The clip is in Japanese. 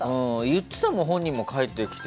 言ってたもん本人も帰ってきて。